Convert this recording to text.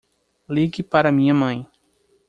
Ligue para minha mãe.